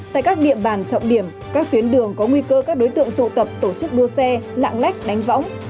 tại các địa bàn trọng điểm các tuyến đường có nguy cơ các đối tượng tụ tập tổ chức đua xe lạng lách đánh võng